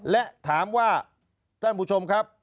และถามว่าท่านผู้ชมครับ